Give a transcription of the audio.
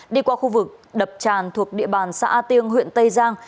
đi qua khu vực đập tràn thuộc địa bàn xã a tiêng huyện tây giang